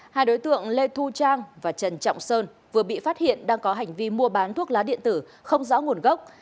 hai đối tượng lê thu trang và trần trọng sơn vừa bị phát hiện đang có hành vi mua bán thuốc lá điện tử không rõ nguồn gốc